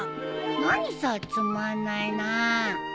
何さつまんないなあ。